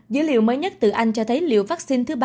dữ liệu mới nhất từ anh cho thấy liệu vaccine thứ ba